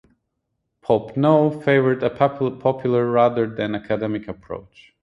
Popenoe favored a popular-rather than academic-approach.